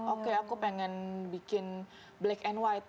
oke aku pengen bikin black and white